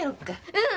うん！